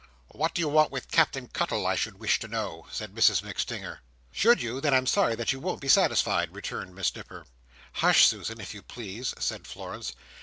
"What do you want with Captain Cuttle, I should wish to know?" said Mrs MacStinger. "Should you? Then I'm sorry that you won't be satisfied," returned Miss Nipper. "Hush, Susan! If you please!" said Florence.